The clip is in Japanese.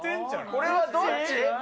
これはどっち？